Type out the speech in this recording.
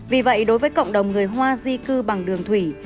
vì vậy đối với cộng đồng người hoa di cư bằng đường thủy